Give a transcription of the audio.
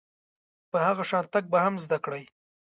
په هغه شان تګ به هم زده کړئ .